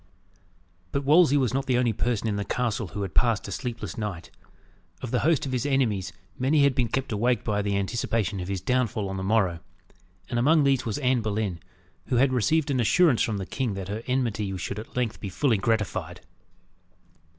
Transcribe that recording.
But Wolsey was not the only person in the castle who had passed a sleepless night. Of the host of his enemies many had been kept awake by the anticipation of his downfall on the morrow; and among these was Anne Boleyn, who had received an assurance from the king that her enmity should at length be fully gratified.